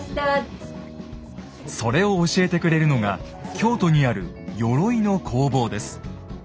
それを教えてくれるのが京都にある鎧の工房です。